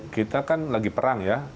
kita kan lagi perang ya